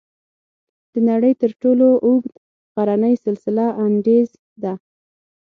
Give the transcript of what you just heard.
د نړۍ تر ټولو اوږد غرنی سلسله "انډیز" ده.